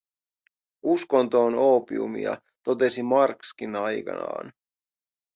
Uskonto on oopiumia, totesi Marxkin aikanaan.